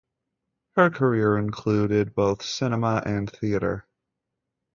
Her career included both cinema and theatre.